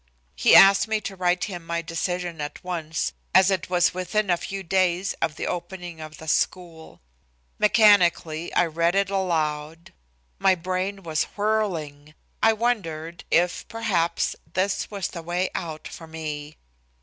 He asked me to write him my decision at once, as it was within a few days of the opening of the school. Mechanically, I read it aloud. My brain was whirling. I wondered if, perhaps, this was the way out for me.